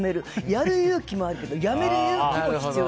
やる勇気もあるけどやめる勇気も必要。